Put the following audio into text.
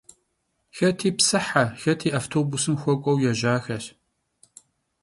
Xeti psıhe, xeti avtobusım xuek'ueu yêjaxeş.